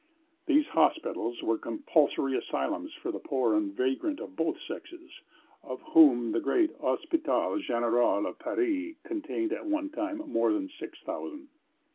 These hospitals were compulsory asylums for the poor and vagrant of both sexes, of whom the great Hôpital Général of Paris contained at one time more than six thousand.